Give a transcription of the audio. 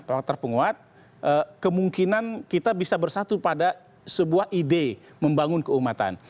faktor penguat kemungkinan kita bisa bersatu pada sebuah ide membangun keumatan